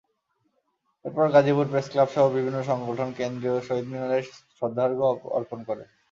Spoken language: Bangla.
এরপর গাজীপুর প্রেসক্লাবসহ বিভিন্ন সংগঠন কেন্দ্রীয় শহীদ মিনারে শ্রদ্ধার্ঘ্য অর্পণ করে।